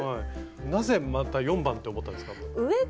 なぜまた４番って思ったんですか？